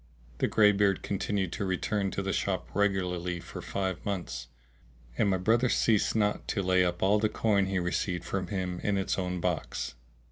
The greybeard continued to return to the shop regularly for five months, and my brother ceased not to lay up all the coin he received from him in its own box.